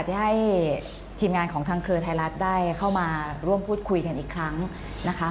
ที่ให้ทีมงานของทางเครือไทยรัฐได้เข้ามาร่วมพูดคุยกันอีกครั้งนะคะ